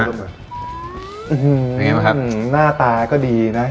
ยังไงบ้างครับอืมหน้าตาก็ดีนะ